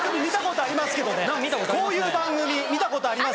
こういう番組見たことあります